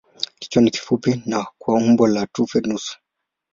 Kichwa ni kifupi na kwa umbo la tufe nusu.